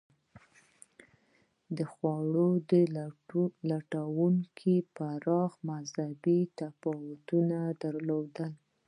د خوړو لټونکو پراخ مذهبي تفاوتونه درلودل.